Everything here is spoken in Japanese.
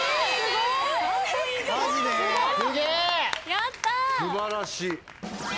やった！